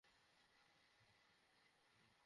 সাঙ্গেয়া দাদা, বলো না।